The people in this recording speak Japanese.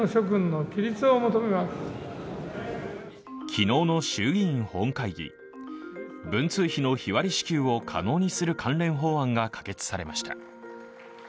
昨日の衆議院本会議文通費の日割り支給を可能にする関連法案が可決されました。